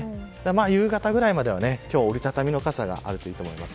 夕方ぐらいまでは、今日は折り畳みの傘があるといいと思います。